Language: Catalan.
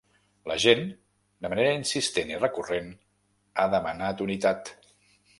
La gent, de manera insistent i recurrent, ha demanat unitat.